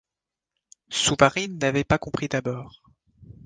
Souvarine n’avait pas compris d’abord.